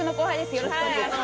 よろしくお願いします。